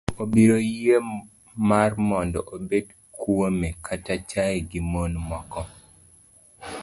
Ok obiro yie mar mondo obed kuome kata chaye gi mon moko.